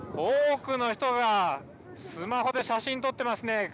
多くの人がスマホで写真撮ってますね。